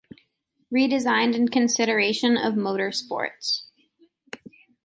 Redesigned in consideration of motor sports.